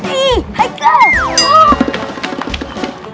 ih hai kak